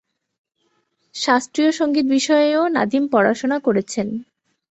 শাস্ত্রীয় সংগীত বিষয়েও নাদিম পড়াশোনা করেছেন।